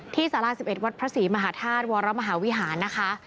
สารา๑๑วัดพระศรีมหาธาตุวรมหาวิหารนะคะ